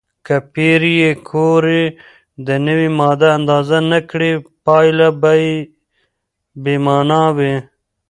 که پېیر کوري د نوې ماده اندازه نه کړي، پایله به بې معنا وي.